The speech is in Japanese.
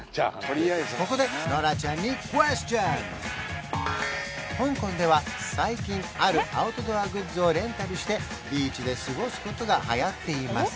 ここで香港では最近あるアウトドアグッズをレンタルしてビーチで過ごすことがはやっています